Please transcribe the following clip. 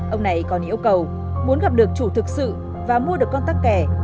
ông này còn yêu cầu muốn gặp được chủ thực sự và mua được con tắc kè